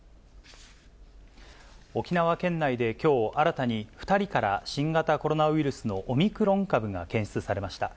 沖縄県内できょう、新たに２人から、新型コロナウイルスのオミクロン株が検出されました。